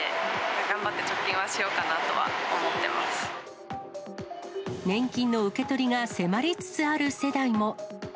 頑張って貯金はしようかなとは思年金の受け取りが迫りつつある世代も。